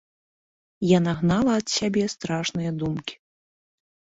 Яна гнала ад сябе страшныя думкі.